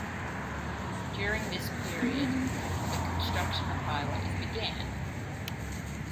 During this period, the construction of highways began.